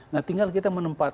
nah tinggal kita menempatkannya